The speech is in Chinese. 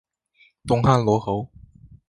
东汉罗侯。